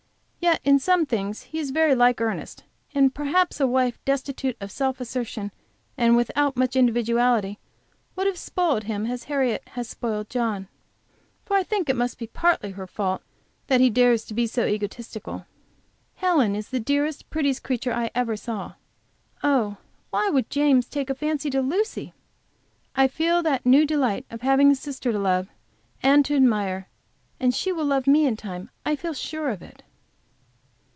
Yet in some things he is very like Ernest, and perhaps a wife destitute of self assertion and without much individuality would have spoiled him as Harriet has spoiled John. For I think it must be partly her fault that he dares to be so egotistical. Helen, is the dearest, prettiest creature I ever saw. Oh, why would James take a fancy to Lucy! I feel the new delight of having a sister to love and to admire. And she will love me in time; I feel sure of it.